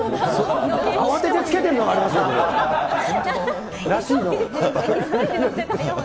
慌ててつけてるのが分かりま本当だ。